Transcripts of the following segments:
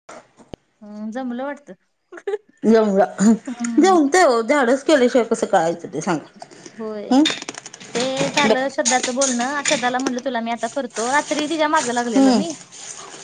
[unintelligible] हम जमलं वाटत. हम होतंय हो धाडस केल्याशिवाय कसं कळायचं ते सांगा होय हम ते झालं श्रद्धाचं बोलणं श्रद्धाला म्हटलं तुला मी आता करतो. रात्री तिच्या माग लागलोलो हम्म मी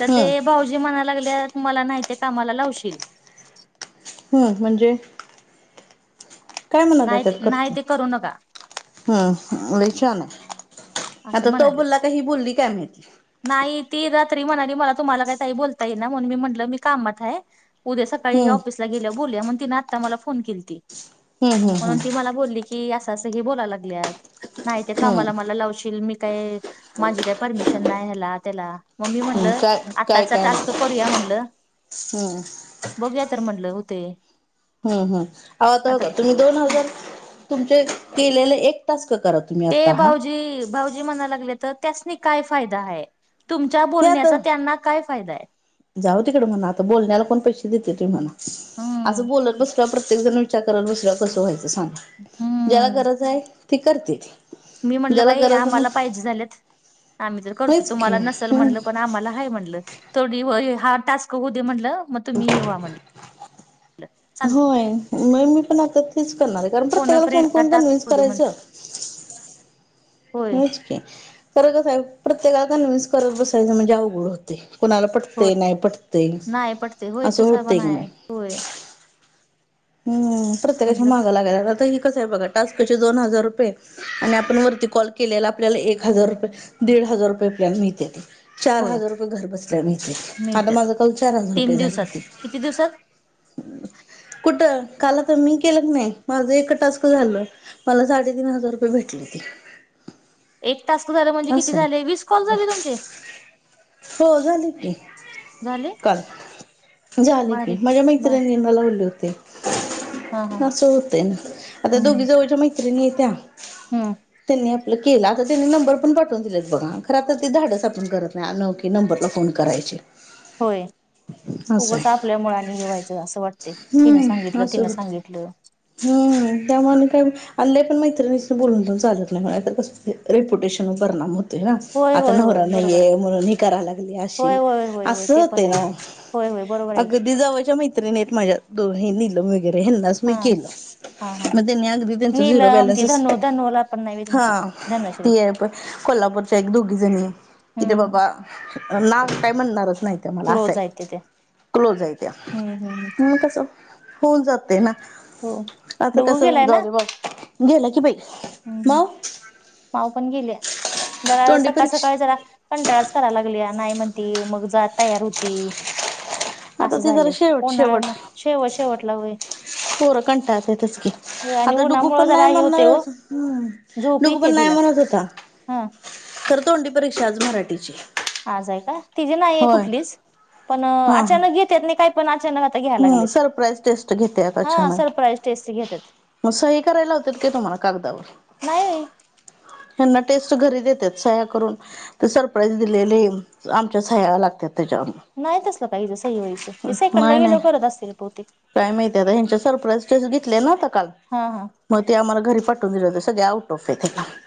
तर ते हम्म भाऊजी म्हणायला लागल्यात मला नाही ते कामाला लावशील हो म्हणजे काय म्हणाय नाही ते लागल्यात नाही करतो. ते करू नका हम लई शाना हाय असं आता तो म्हणालेत बोलला काय ही बोलली काय माहित. नाही ती रात्री म्हणाली मला तुम्हाला काय ताई बोलता येईना म्हणून मी म्हटलं मी कामात हाय उद्या सकाळी हे हम्म ऑफिसला गेल्यावर बोलूया म्हणून तिन आता मला फोन केलती हम्म हम्म म्हणून ती मला बोलली की की असं असं हे बोलाय लागल्यात नाही त्या हम्म हम्म कामाला मला लावशील मी काय माझी काय परमिशन नाही ह्याला त्याला म मी हम्म म्हटलं काय काय आत्ताचा काय टास्क करूया म्हटलं हम्म बघूया तर म्हटलं हुंतंय हम हम आव आता बघा तुम्ही दोन हजार तुमचे केलेले एक टास्क करा. तुम्ही आता ते हा हे भाऊजी भाऊजी म्हणाय लागल्यात त त्यासनी काय फायदा आहे. तुमच्या आता बोलण्याचा त्यांना काय फायदा हाय जाऊ तिकड म्हणा आता बोलण्याला कोण पैसे देतय तुम्ही म्हणा असं हम्म बोलत बसल्यावर प्रत्येक जण विचार करत बसल्यावर कसं व्हायचं सांगा ज्याला हम्म. गरज आहे ती करत्याती मी म्हटलं बाई आम्हाला पाहिजे झाल्यात आम्ही तर करतो होयच की तुम्हाला नसल हम्म. म्हटलं [inaudible] म्हटलं आम्हाला हाय म्हटलं थोडी व हा टास्क होऊ दे म्हटलं मग तुम्ही हे व्हा म्हटलं. चालतंय. होय नय मी पण आता तेच करणार हाय कारण प्रत्येकाला फोन फ्रेंडचा करून टास्क कन्व्हिन्स होऊ दे म्हटलं करायचं होय होयच की करण कसं हाय प्रत्येकाला कन्व्हिन्स करत बसायचं म्हणजे अवघड होतंय कोणाला पटतंय होय ते नाही पटतंय. नाही पटते होय असं होत तसा पण की आहे नाही. होय. हम, तेच प्रत्येकाच्या म्हटलं माग लागायला राहतं आता ही कसं आहे बघा टाक्सचे दोन हजार रुपये. आणि आपण वरती कॉल केलेला आपल्याला एक हजार रुपये दीड हजार रुपये आपल्याला मिळत्याती. चार होय हजार रुपये घर बसल्या मिळत्याती. आता मिळत्यात माझं काल चार हजार तीन रुपये झाले दिवसात होते. किती दिवसात? कुठं? काल आता मी केलं क नाही. माझं एक टास्क झालं. मला साडेतीन हजार रुपये भेटली ती. एक टास्क झाला म्हणजे किती असं आहे झाले वीस कॉल झाले तुमचे. हो झालेत की. झाले. काल झाले भारी की, माझ्या बर मैत्रिणींनीना लावले होते. हा हा असं होतंय ना, आता हम्म दोघी जवळच्या मैत्रिणीे आहे त्या हम्म, त्यांनी आपलं केलं. आता त्यांनी नंबर आपण पाठवून दिलेत बघा. खरं तर ते धाडस आपण करत नाही अनोळखी नंबरला फोन करायचे. होय. असं उगंच आहे आपल्या मुळानी हेे वायचं असं वाटते. हिनं हम्म सांगितलं असं तिनं होतं सांगितलं. हम्म, त्या म्हणु काय अ लई पण मैत्रिणीशी बोलून पण चालत नाही. नाहीतर कसस ते रेपुटेशनवर परिणाम होत. होतोयना होय आता होय होय नवरा बरोबर आहे नाहीये म्हणून हे करा लागली होय अशी होय होय होय असं ते पण होते आहे ना. होय होय बरोबर आहे. की अगदी जवळच्या मैत्रि त्रिणी आहेत माझ्या. दोहीनिल वगैरे ह्यानाच मी हा केलं. हा हा म त्यानी अगदी त्याचा झिरो नीलम ती बॅलंसस धनु धनुला पण नाही हा, तुमची धनश्री तुये कोल्हापूरच्या एक दोघी जणी कि रे हम्म बाबा नाव काय म्हणणारच नाही. त्या मला असा क्लोज ये, आहेत ते त्या क्लोज आहे त्या. हम्म हम्म मग कसं होऊन जाते ना, हो आता डुगू कसं गेलाय [unintelligible] गेलं की बाई. हम ह, मग माऊ पण गेल्या जरा तोंडी सकाळ सकाळी परीक्षा जरा कंटाळास करा लागलीया नाही म्हणती मग जा तयार होती. आता असं ती जरा झालंय. शेवट उन्हाळा शेवट मग शेवट शेवटला होईन. पोरं कंटाळतेतच की, आणि आता डुगू उन्हामुळ पण नाही जरा हे होतय म्हणणार ओ झोप डुगु येते पण नाही तिला म्हणत होता. हा तर तोंडी परीक्षा आज मराठीची. आज आहे काय? तिजी नायाये होय कुठलीस पण अचानक घेतेत नी काय पण अचानक घ्यायला हम, लागलेत सरप्राईज टेस्ट घेत्यात हा अचानक. सरप्राईज टेस्ट घेत्यात मग सही कराले लावतेत काय तुम्हाला कागदावर? नाही. यांना टेस्ट घरी देत्यात सह्या करून. ते सरप्राईज दिलेले आहे. आमच्या सह्या लागत्यात त्यांच्यावर. नाही तसलं काही सही वहीचं. ते सेकंडला नाही नाही गेल्याव करत असतील बहुतेक. काय माहिती आता, ह्यांच्या सरप्राईज टेस्ट घेतल्या ना आता काल हा हा, मग ते आम्हाला घरी पाठून दिले होते. सगळ्या आउट ऑफ [unintelligible]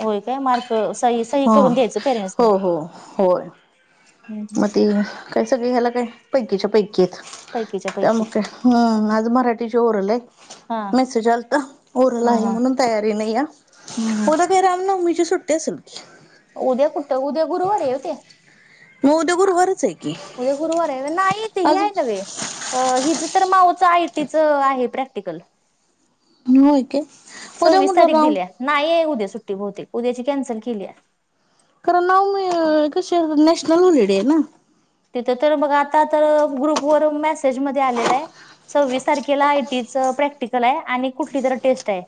होय का, मार्क सही सही ह करून द्यायचं पेरेंट्स हो नी. हो होय मग ते काय सगळी ह्याला काय पैकीच्या पैकी. पैकीच्या पैकी त्यामुळ काय हं माज मराठी जे ऊरलय हा मेसेज आलता ऊरला हा आहे हा म्हणून तयारी नाही या. हम्म हम्म उद्या काय राम नवमी च सुट्टी असल उद्या कुठे उद्या गुरुवारी आहे हो ते. मग उद्या गुरुवारच आहे की उद्या गुरुवार आहे नाही ते हे आज आहे. नव्हे हिचं तर माऊचं आयटीचं आहे प्रॅक्टिकल. होय उद्या सव्वीस म्हटलं तारीख राव दिलीय नाहीय उद्या सुट्टीवतील उद्याची कॅन्सल केली. कारण नाऊ म एक नॅशनल हॉलिडे आहे ना. तिथं तर बगा आता तर ग्रुप वर मेसेज मध्ये आलेला आहे सव्वीस तारखेला आयटीच प्रॅक्टिकल आहे आणि कुठली तरी टेस्ट आहे.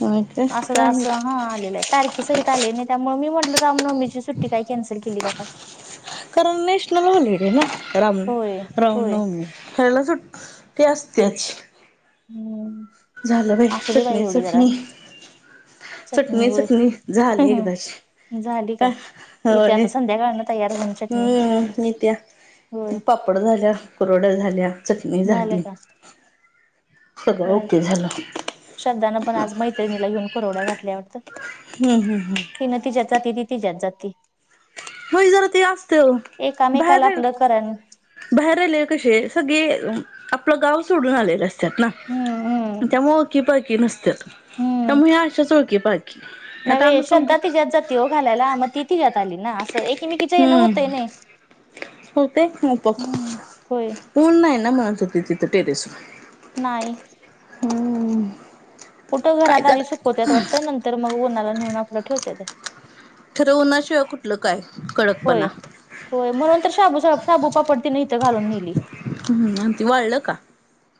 काय असं काय माहित असं हा आले. तारखी सहित आले नाही त्यामुळे मी म्हटलं रामनवमीची सुट्टी काही कॅन्सल केली काय. नॅशनल हॉलिडे आहे ना राम होय होय रामनवमी. हेला सुट्टी असस्तेच हम्म असु दे बाई चटणी तेवढी जरा. चटणी चटणी होय झाली का काय येथे होय आता संध्याकाळन तयार होऊन चटणी. हम्म मी त्या होय पापड झाल्या कुरड्या झाल्या चटणी झालं झाली का झाल.... श्रध्धान पण आज मैत्रिणीला घेऊन कुरड्या घातल्या वाटतं हम हं हं ती न तिच्यात जाते ती तिच्यात जाती होय जरा ते असतेय ओ एकामेकाला बाहेर- आपलं करण बाहेर आले कशे सगळे आपलं गाव सोडून आलेत त्यात ना हम्म हम्म त्यामुळं ओळखी पाळकी नसत्यात त्यामुळे अशाच ओळखी पाळक्- नवे श्रधा तिच्यात जाती हो घालायला म ति तीयात आली ना अस्- त एकीमेकीच्यानं हम्म होतय नई हम्म होय ऊण नाई ना म तीथं टेटस नाई कुठं काय घरात कर आधी सुकवत्यात वाटतं नंतर मग ऊनाला नेऊन आपलं ठेवत्यात खर ऊना शीवाय कुट्- कुठं काय कळ होय होय मनुनतर शाबुपापढ नेली हम्म अन् ते वाळलं का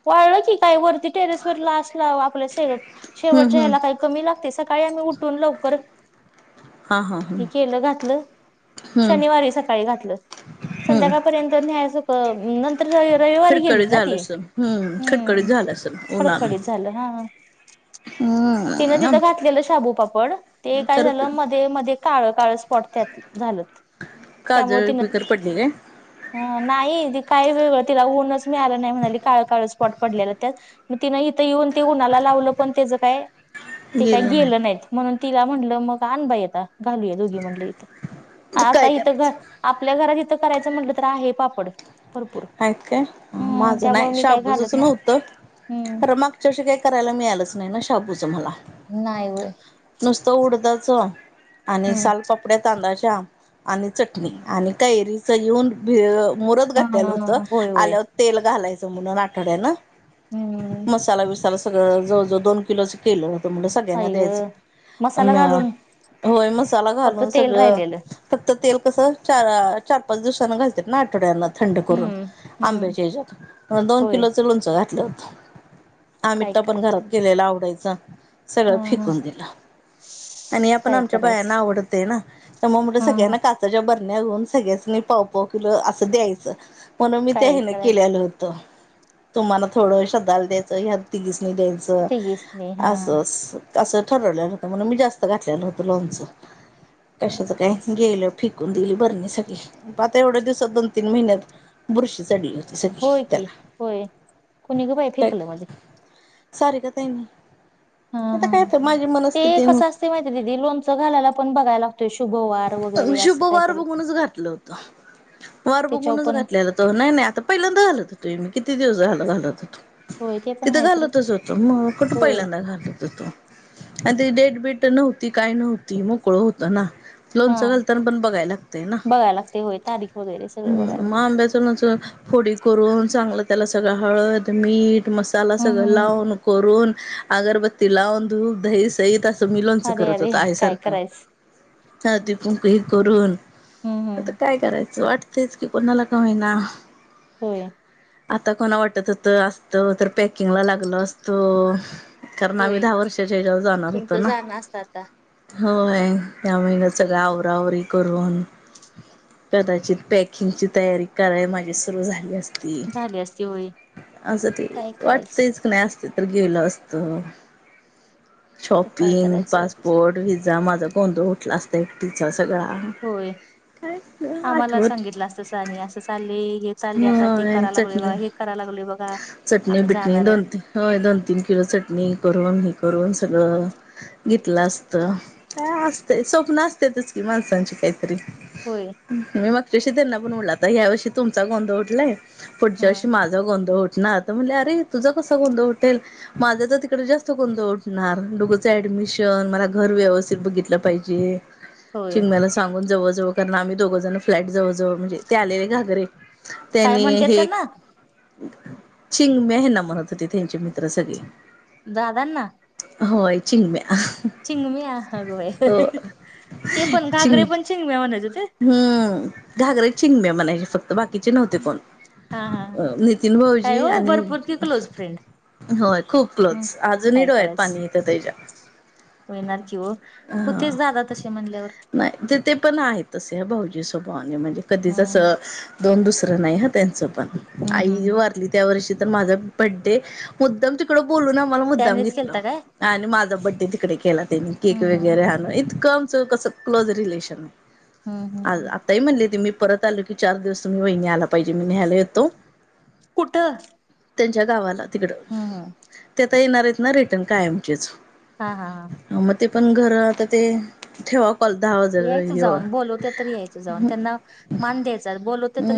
वाळलं कि काय वरती टेरेस वर लासला आपल्या शे हम्म शेवटच्या हम्म यायला काई कमी लागते सकाळी आम्ही उठून लवकर हा हा ह हे केलं घातलं हम्म शनिवारी सकाळी घातल हम्म. संध्याकाळपर्यंत न्यायसख न- तर र रईवारी खडखडीत गेलीत ना झालं ती असल हम्म खटकडीत झालं असल उन्हात हं तिनं आम तिथं घातलेलं शाबूपापड ते काय खर झालं म- ते मध्ये काळ काळ स्पॉट त्यात झालंत त्यामुळे काजळ तीनं बिजळ पडली काय? अं नाई ती काही वेगळं तिला ऊनच मिळालं नाय म्हणाली काळ- काळ स्पॉट पडल्याल त्यात मग तिन इथ येऊन ते उन्हाला लावल पण त्याच काय ते काही गेलो नाही गेल नाहीत म्हणून तिला म्हटल मग आण बाई आता घालूया दोघी म्हणल इथ. आता काय इथ घर करायचं आपल्या घरात इथ करायच म्हटल तर आहे पापड. भरपूर आहेत काय हम्म माझ त्यामुळे नाही मी काय शॉप. घालत तुझच ना नव्हत हम्म खर मागच्या वर्षी काही करायला मिळालच नाही ना शाबूच मला. नाही व्हय. नुसत उडदाच आणि हम्म सालपाप पापड्या तांदाळाच्या आणि चटणी आणि कैरीच यीऊन मुरत घातलेल होत. हा होय होय तेल घालायच म्हणून आठवड्याला हम्म मसाला बीसाला सगळ जवळ जवळ दोन किलोच केल होत म्हणल सगळ्यांना आई ग द्यायच मसाला पण घालून होय मसाला फक्त घालून तेल सगळ. राहिलेलं फक्त तेल कस चार चार पाच दिवसांन घालत्यात ना आठवड्यान थंड करून. हम्म हम्म आंब्याच्या ह्याच्यात दोन होय किलोच लोणच घातल होत काय आमीठठा पण कराय घरात. केलेला आवडायचा सगळ ह फिकून दिल. आणि आपण काय आमच्या करायचं बायांना आवडते ना त्यामूळ मग म्हटल हम् हम सगळ्यांना का त्याच्या बरण्या घेऊन सगळ्यासनी पाव पाव किलो अस द्यायच. म्हणुन मी त्या काय ह्यान करायचं केल्याल होत तुम्हाला थोड श्रद्धाला द्यायच ह्या तिघीसनी द्यायच. च तेच नाही अस हा अस. अस ठरवल्याल होत म्हणुन मी जास्त घातल्याल होत लोणच कशाच काय गेल. फिकून दिली बरणी सगळी मग आता एवढ्या दिवसात दोन तीन महिन्यात बुरशी चढली. सगळी होय की त्याला होय कोणी ग बाई फेकल मग ते. सारीका ताईंनी. हां आता हां काय हां तर माझी ते मनस्थिती कस असतय माहितीये का दिदी लोणच घालायला पण बघाय लागतोय शुभवार वगैरे. शुभ असं वार काहीतरी बघूनच घातल होत वार त्याच्यावर बघूनच पण घातल. त्याचा तो नाही नाही आता पहिल्यांदा घालत होतो मी किती दिवस झाल घालत होतो. होय ते पण तिथ आहे तर घालतच होतो मग कुठ होय पहिल्यांदा घालत होतो. आणि ते डेट बीट नव्हती काय नव्हती मोकळ होत ना. हा लोणच घालताना पण बघाय लागतय ना. बघायला लागते होय तारीख वगैरे सगळं बघायला लागतं. आंब्याच लोणच फोडी करून चांगल त्याला सगळ हळद, मीठ, मसाला त्याला हम्म सगळ हम्म लावून करून अगरबत्ती लावून धूप, दही ते तस मी लोणच अरे करत अरे होतो आई काय सारख. करायचं हां ते पूंक हे करून हम्म आता हम्म काय करायच वाटतयच की. कुणाला का होईना. होय आता पुन्हा वाटत होत असत तो तर पॅकिंगला लागलो असतो. कारण आम्ही होय दहा वर्षाच्या ह्याच्यावर जाणार होतो तुमचं ना. जाणं असतं आता होय ह्या महिन्यात सगळ आवराआवरी करून कदाचित पॅक [unintelligible] किची तयारी कराय माझी सुरू झाली असती. अस झाली असती होय ते काय करायचं वाटतयच की. नाही असते तर गेलो असतो. तर काय शॉपिंग, करायचं पासप बोर्ड, व्हीजा माझा गोंधळ उठला असता एकटीचा सगळा. होय काय आम्हाला आठवत सांगितल असत सा आणि अस चालले हे. चालले आता ती होय कराय लागलोय बघा चटणी हे कराय लागलोय बघा चटणी आम्ही बिटणी जाणार आहे. दोन तीन होय दोन तीन किलो चटणी करून हे करून सगळ. घेतलं असत काय असतं, स्वप्न असत्यातचं कि माणसांची काहीतरी. होय मी मागच्या वर्षी त्यांना बोललो आता पुढल्या वर्षी तुमचा गोंधळ उठलाय ह पुढच्या वर्षी मा गोंधळ उठनार तर आरे म्हटले तुझा कसा गोधंळ उटेल? माझं तर तिकडे जास्त गोंधळ उठणार डुग्गु चऍडमिशन मला घर व्यवस्थित बघितलं पाहिजे. जे होय चिमण्यांला सांगून जवळजवळ कारण आम्ही दोघं जण फ्लॅट जवळजवळ म्हणजे ते आलेले घागरे. काय त्यांनी म्हणतात हे त्यांना चिंमण्या हेना म्हणत होते त्यांचे मित्र सगळे. दादांना? होय चिमगयां. चिंगम्या अगं बाई ते पण घागरे चिंग पण चिंगम्या म्हणतं होतीत. हम्म घागरे चिंमण्या म्हणायचे फक्त. बाकीचे नव्हते कोण हा हा नितीन काय भाऊजी हो आणि भरपूर की क्लोज फ्रेंड होय खूप हम्म क्लोज अजूनही काय डोळयात पाणी येतं त्याच्या. येणार की हो हा होतेच दादा तसे म्हणल्यावर नाही ते ते पण आहेतसच भाऊजी स्वभावाने म्हणजे कधीचसं हम्म अ कोन दुसरं नाही ह त्यांचं पण हम्म आई हम्म व त्या वर्षी तर माझा बड्डे मुद्दाम तिकड बोलून आम्हाला मुद्दाम त्यानेच घेतलं. केलता काय आणि माझा बड्डे तिकडं केला त्यांनी केक हम्म हम्म वगैरे आणू इथ आमच कसं क्लोज रिलेशन हम्म हम्म हम्म आहे ताई म्हणली त मी परत आलो की चार दिवस तुम्ही वहिणी आला पाहिजे मी नेहायला येतो. कुठं? त्यांच्या गावाला तिकड हम्म हम्म ते आता येणार आहेत ना रिटर्न कायमचेच. हा हा हा मग ते पण घर आता ते ठेवा. पल दहा [unintelligible] यायचं जाऊन बोलावतात तर यायचं जाऊन त्यांना मान द्यायचं बोलावतात. हं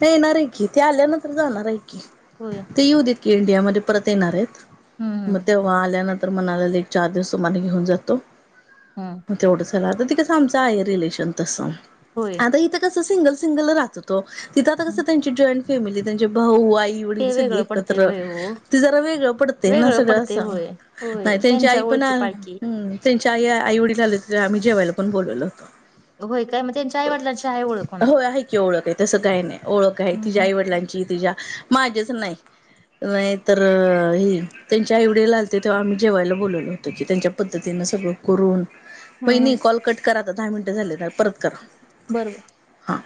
नाही येणार आहे की ते आल्यानंतर जाणार आहे की होय ते येऊ देत की इंडियामध्ये परत येणार आहेत हम्म मग तेव्हा आल्यानंतर म्हणाले चार दिवस तुम्हाला घेऊन जातो. हां ग तेवढं झाला आता ते कसं आमचं आहे रिलेशन तसं होय तर इथं कसं सिंगल सिंगल राहत होतो तिथं आता कस हम्म. त्यांची जॉईंट फॅमिली त्यांचे भाऊ आई एवढी ते सगळी वेगळं पडते एकत्र होय हो ती जरा वेगळं पडतंय ना वेगळं सगळं पडते असं होय होय त्यांची आई त्यांच्या पण ओळखी आहे. पाळखी हं त्यांच्या आई आई वडील आले होते तेव्हा आम्ही जेवायला पण बोलवल होतो. होय काय मग त्यांच्या आई वडीलांची आहे ओळख म्हणा. होय आहे की ओळख आहे तसं काही नाही ओळख आहे हम्म तिझ्या हम्म आईवडिलांची तिझ्या माझ्याच नाही- नाही तर ही त्यांच्या आई वडील आलते तेव्हा आम्ही जेवायला बोलवलो होतो की. त्यांच्या तर तिनं सगळं करून, वहिनी हम्म. कॉल कट करा आता दहा मिनटं झाले आता परत करा. बरं बरं. हां